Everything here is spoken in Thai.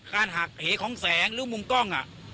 หักเหของแสงหรือมุมกล้อง